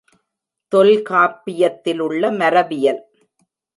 தொல்காப்பியத்திலுள்ள மரபியல்